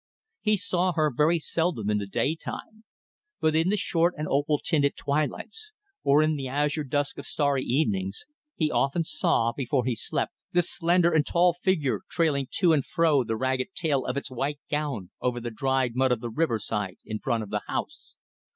He saw her very seldom in the daytime. But in the short and opal tinted twilights, or in the azure dusk of starry evenings, he often saw, before he slept, the slender and tall figure trailing to and fro the ragged tail of its white gown over the dried mud of the riverside in front of the house.